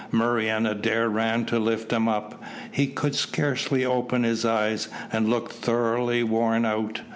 Murray and Adair ran to lift him up. He could scarcely open his eyes, and looked thoroughly worn out.